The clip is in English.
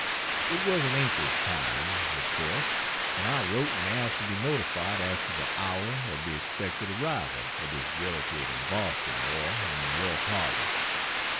It was an anxious time, of course, and I wrote and asked to be notified as to the hour of the expected arrival of this relative in Boston or in York Harbor.